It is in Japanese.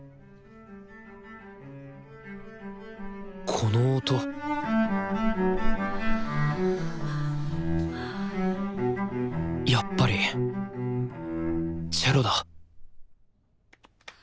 この音やっぱりチェロだ